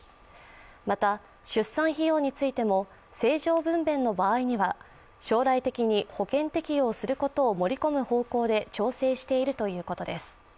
また、出産費用についても正常分娩の場合には、将来的に保険適用することを盛り込む方向で調整しているということです。